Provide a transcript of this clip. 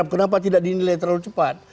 kenapa tidak dinilai terlalu cepat